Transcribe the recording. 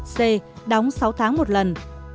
c đóng sáu tháng một lần